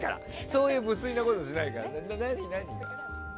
そういう無粋なことしないから。